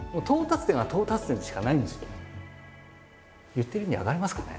言ってる意味分かりますかね。